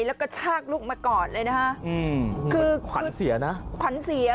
แล้วก็ชากลูกมากอดเลยนะฮะอืมคือขวัญเสียนะขวัญเสีย